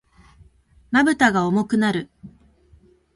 瞼が重くなる。